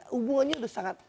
hubungannya udah sangat